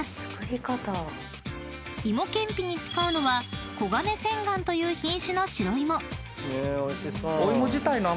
［芋けんぴに使うのは黄金千貫という品種の白芋］